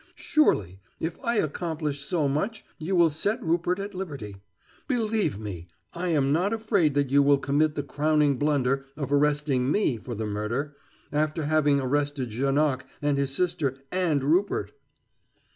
Surely, if I accomplish so much, you will set Rupert at liberty. Believe me, I am not afraid that you will commit the crowning blunder of arresting me for the murder, after having arrested Janoc, and his sister, and Rupert."